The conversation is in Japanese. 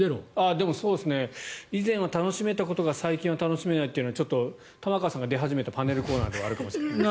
でも以前は楽しめたことが最近は楽しめないというのはちょっと玉川さんが出始めたパネルコーナーではあるかもしれない。